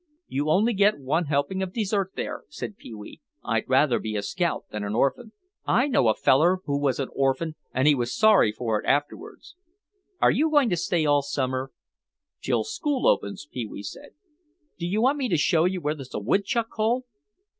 "You only get one helping of dessert there," said Pee wee. "I'd rather be a scout than an orphan. I know a feller who was an orphan and he was sorry for it afterwards." "Are you going to stay all summer?" "Till school opens," Pee wee said. "Do you want me to show you where there's a woodchuck hole?"